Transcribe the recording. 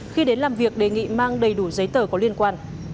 khi đến làm việc đề nghị mang đầy đủ giấy tờ có liên quan